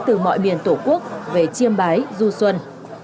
từ mọi miền tổ quốc về chiêm bái du xuân